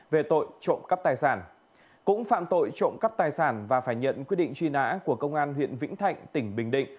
về tội trộm cắp tài sản cũng phạm tội trộm cắp tài sản và phải nhận quyết định truy nã của công an huyện vĩnh thạnh tỉnh bình định